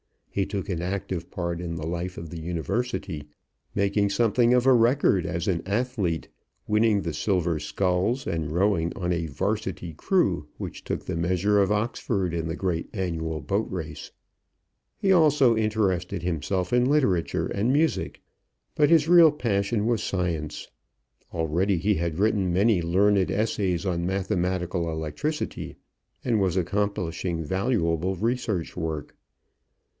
He took an active part in the life of the university, making something of a record us an athlete, winning the silver sculls, and rowing on a 'varsity crew which took the measure of Oxford in the great annual boat race. He also interested himself in literature and music, but his real passion was science. Already he had written many learned essays on mathematical electricity and was accomplishing valuable research work.